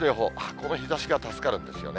この日ざしが助かるんですよね。